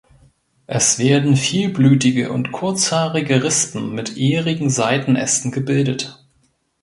Es werden vielblütige und kurzhaarige Rispen mit ährigen Seitenästen gebildet.